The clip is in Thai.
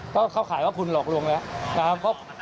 ก็เขาขายว่าคุณหลอกลงแล้ว